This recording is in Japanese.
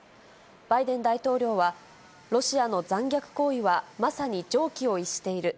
バイデン大統領は、ロシアの残虐行為は、まさに常軌を逸している。